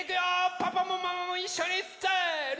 パパもママもいっしょにせの！